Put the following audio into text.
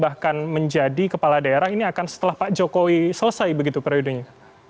bahkan menjadi kepala daerah ini akan setelah pak jokowi selesai begitu periodenya